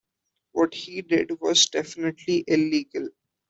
What he did was definitively illegal.